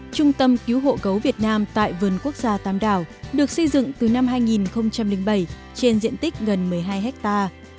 trung tâm cứu hộ gấu việt nam tại vườn quốc gia tam đảo được xây dựng từ năm hai nghìn bảy trên diện tích gần một mươi hai hectare